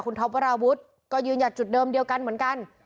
ท็อปวราวุฒิก็ยืนหยัดจุดเดิมเดียวกันเหมือนกัน